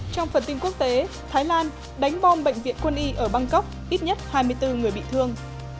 trong phần tin quốc tế thái lan đánh bom bệnh viện quân y ở bangkok ít nhất hai mươi bốn người bị thương